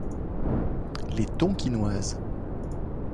Les Tonkinoises.